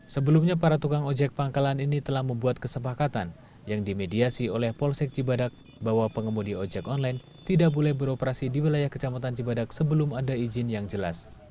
sebelumnya para tukang ojek pangkalan ini telah membuat kesepakatan yang dimediasi oleh polsek cibadak bahwa pengemudi ojek online tidak boleh beroperasi di wilayah kecamatan cibadak sebelum ada izin yang jelas